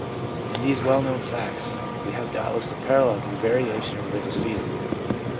In these well known facts we have doubt less a parallel to the variation in religious feeling.